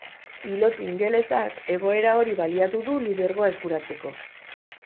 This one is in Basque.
Pilotu ingelesak egoera hori baliatu du lidergoa eskuratzeko.